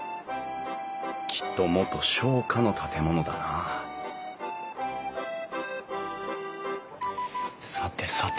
きっと元商家の建物だなさてさて